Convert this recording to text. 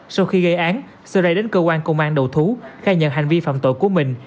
sau khi gây án sơ rây đến cơ quan công an đầu thú khai nhận hành vi phạm tội của mình